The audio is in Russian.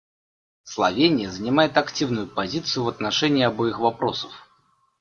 Словения занимает активную позицию в отношении обоих вопросов.